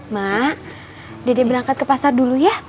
mak dede berangkat ke pasar dulu ya